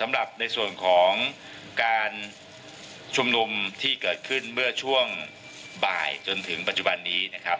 สำหรับในส่วนของการชุมนุมที่เกิดขึ้นเมื่อช่วงบ่ายจนถึงปัจจุบันนี้นะครับ